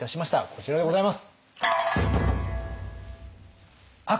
こちらでございます。